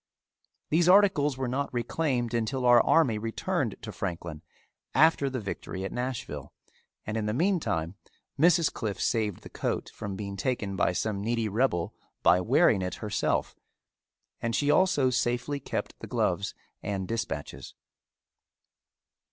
These articles were not reclaimed until our army returned to Franklin after the victory at Nashville and in the meantime Mrs. Cliffe saved the coat from being taken by some needy rebel by wearing it herself and she also safely kept the gloves and dispatches.